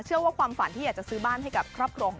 ว่าความฝันที่อยากจะซื้อบ้านให้กับครอบครัวของ